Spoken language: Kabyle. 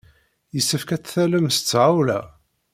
Yessefk ad t-tallem s tɣawla!